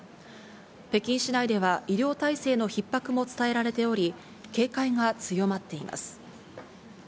北京市内では医療体制のひっ迫も伝えられており、警戒が強まっています。